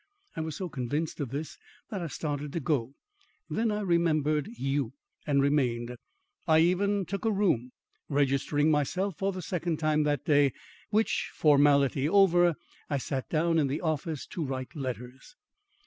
I was so convinced of this, that I started to go; then I remembered you, and remained. I even took a room, registering myself for the second time that day, which formality over, I sat down in the office to write letters.